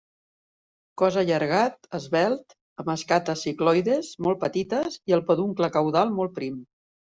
Cos allargat, esvelt, amb escates cicloides molt petites i el peduncle caudal molt prim.